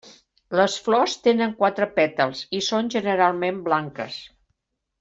Les flors tenen quatre pètals i són generalment blanques.